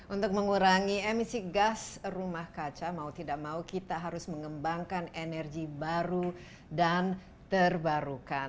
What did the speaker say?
untuk mengurangi emisi gas rumah kaca mau tidak mau kita harus mengembangkan energi baru dan terbarukan